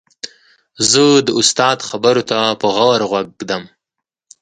زه د استاد خبرو ته په غور غوږ ږدم.